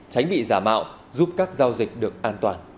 tránh bị giả mạo giúp các giao dịch được an toàn